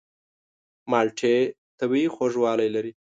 مالټې طبیعي خوږوالی لري.